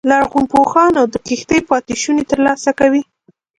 لرغونپوهان د کښتۍ پاتې شونې ترلاسه کوي